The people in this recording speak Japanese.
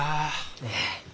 ええ。